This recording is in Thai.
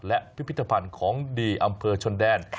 และพิพิธภัณฑ์ของดีอำเภอชนแดน